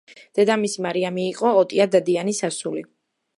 დედამისი მარიამი იყო ოტია დადიანის ასული.